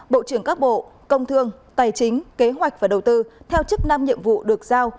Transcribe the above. bộ trưởng các bộ công thương tài chính kế hoạch và đầu tư theo chức năng nhiệm vụ được giao